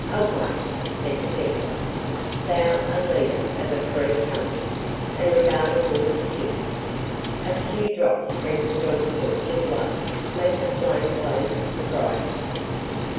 "Away!" said the Templar; "thou a leader of a Free Company, and regard a woman's tears! A few drops sprinkled on the torch of love, make the flame blaze the brighter."